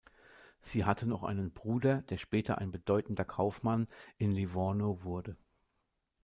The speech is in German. Sie hatte noch einen Bruder, der später ein bedeutender Kaufmann in Livorno wurde.